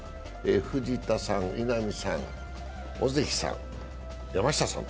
藤田さん、稲見さん、尾関さん、山下さん。